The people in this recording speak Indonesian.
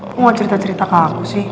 lo gak cerita cerita ke aku sih